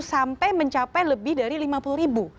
sampai mencapai lebih dari lima puluh ribu